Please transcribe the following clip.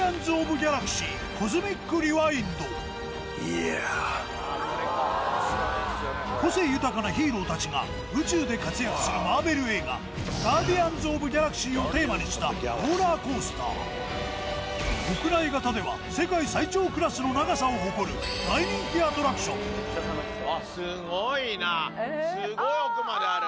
Ｙｅａｈ．個性豊かなヒーローたちが宇宙で活躍するマーベル映画『ガーディアンズ・オブ・ギャラクシー』をテーマにしたローラーコースター屋内型では世界最長クラスの長さを誇るスゴい奥まである！